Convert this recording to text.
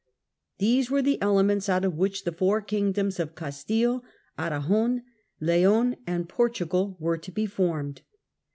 These were the elements out of which the four kingdoms of Castile, Aragon, Leon, and Portugal were to be formed.